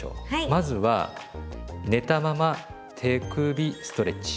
まずは寝たまま手首ストレッチ。